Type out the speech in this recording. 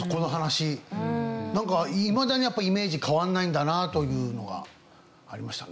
なんかいまだにやっぱイメージ変わらないんだなというのがありましたね。